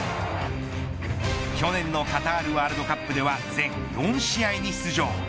去年のカタールワールドカップでは全４試合に出場。